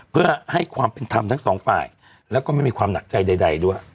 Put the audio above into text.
เพื่อให้ความเป็นธรรมทั้งสองฝ่ายแล้วก็ไม่มีความหนักใจใดด้วย